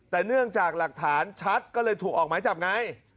แต่เนื่องจากหลักฐานชัดก็เลยถูกออกหมายจับไง